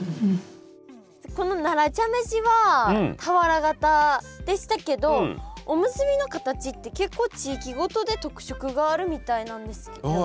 この奈良茶飯は俵型でしたけどおむすびの形って結構地域ごとで特色があるみたいなんですよね。